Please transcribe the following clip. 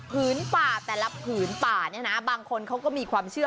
ป่าแต่ละผืนป่าเนี่ยนะบางคนเขาก็มีความเชื่อ